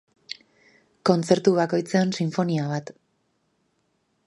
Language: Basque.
Kontzertu bakoitzean sinfonia bat.